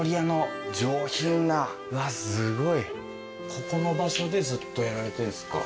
ここの場所でずっとやられてるんすか？